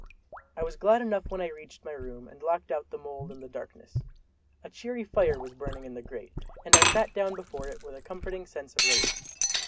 I was glad enough when I reached my room and locked out the mold and the darkness. A cheery fire was burning in the grate, and I sat down before it with a comforting sense of relief.